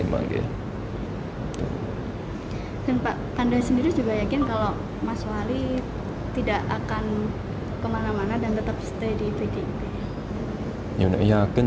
dan pak panda sendiri juga yakin kalau mas wali tidak akan kemana mana dan tetap stay di pdb